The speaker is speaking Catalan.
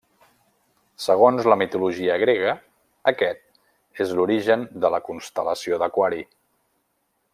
Segons la mitologia grega, aquest és l'origen de la constel·lació d'Aquari.